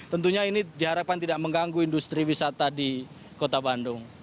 tentunya ini diharapkan tidak mengganggu industri wisata di kota bandung